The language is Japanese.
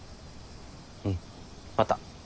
うん。また。